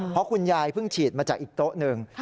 เพราะคุณยายเพิ่งฉีดมาจากอีกโต๊ะหนึ่ง